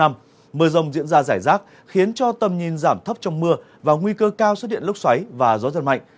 mưa rông diễn ra rải rác khiến cho tầm nhìn giảm thấp trong mưa và nguy cơ cao xuất hiện lốc xoáy và gió giật mạnh